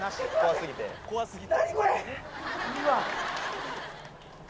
怖すぎて。